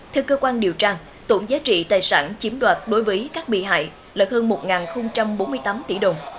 theo cơ quan điều tra tổng giá trị tài sản chiếm đoạt đối với các bị hại là hơn một bốn mươi tám tỷ đồng